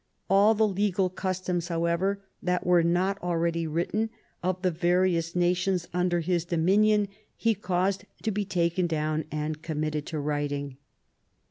All the legal customs, however, that were not already written, of the various nations under his dominion, he caused to be taken down and committed to writing."